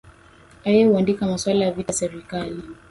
aye huandika maswala ya vita serikali